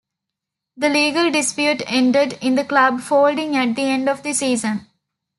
The legal dispute ended in the club folding at the end of the season.